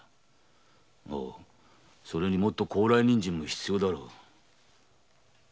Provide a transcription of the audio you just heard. それにもっと高麗人参も必要だろう。